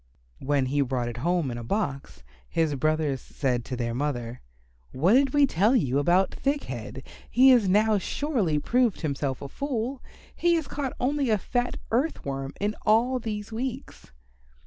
When he brought it home in a box, his brothers said to their mother, "What did we tell you about Thick head? He has now surely proved himself a fool. He has caught only a fat Earth Worm in all these weeks."